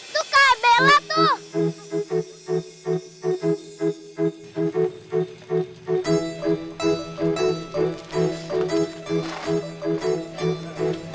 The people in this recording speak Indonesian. tuh kak bella tuh